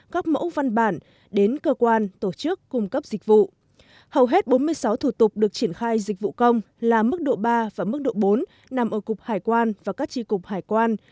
các thủ tục được triển khai dịch vụ công là mức độ ba và mức độ bốn nằm ở cục hải quan và các tri cục hải quan